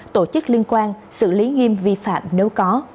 tổ chức liên quan xử lý nghiêm vi phạm nếu có